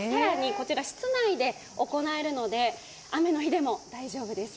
こちら、室内で行えるので雨の日でも大丈夫です。